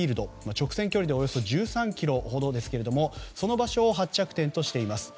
直線距離でおよそ１３ｋｍほどですけどもその場所を発着点としています。